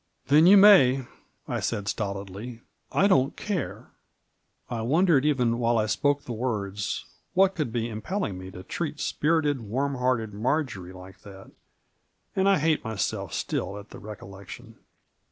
" Then you may," I said stolidly ;" I don't care." I Digitized by VjOOQIC MABJORY. 95 wondered even while I spoke the words what conld be impelling me to treat spirited, warm hearted Marjory like that, and I hate myself stiU at the recollection.